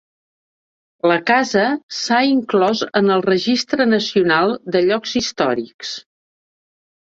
La casa s'ha inclòs en el Registre nacional de llocs històrics.